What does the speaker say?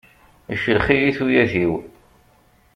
Iclex-iyi tuyat-iw.